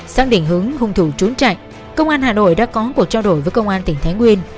xác định hướng hung thủ trốn chạy công an hà nội đã có cuộc trao đổi với công an tỉnh thái nguyên